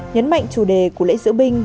nhấn mạnh chủ đề của lễ diễu binh